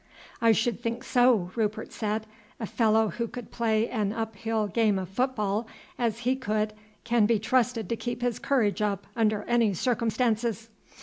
"I should think so," Rupert said. "A fellow who could play an uphill game of football as he could can be trusted to keep his courage up under any circumstances.